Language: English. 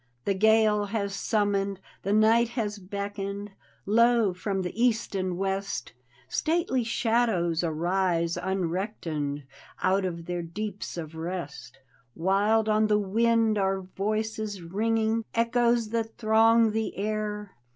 The gale has summoned, the night has beckoned— Lo, from the east and west. Stately shadows arise unrectoned Out of their deeps of rest! Wild on the wind are voices ringing. Echoes that throng the air.